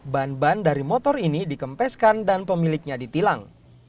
ban ban dari motor ini dikempeskan dan pemiliknya ditilang